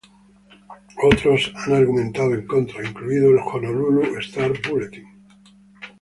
Otros han argumentado en contra, incluido el "Honolulu Star-Bulletin".